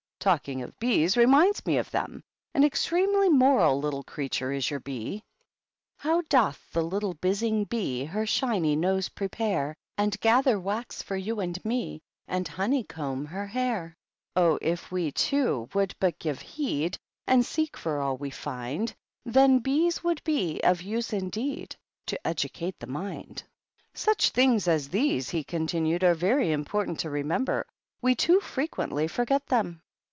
Talking of bees reminds me of them. An extremely moral little creature is your bee. Sovj doth the little bizzing bee Her shiny nose preparej And gatJfer wax for you and mCy And honeycomb her hair I Ohj if we, toOj would but give heed. And seek for all we flnd, Then bees would be of use, indeed To educate. the mind. 9 Such things as these," he continued, "are very important to remember ; we too frequently forget them."